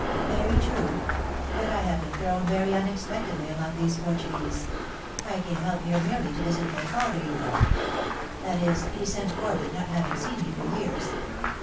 " Very true. But I have been thrown very unex pectedly among these Portuguese. I came out mere ly to visit my father, you know. That is, he sent for me, not having seen me for years.